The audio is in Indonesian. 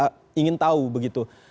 mungkin pemirsa juga ingin tahu begitu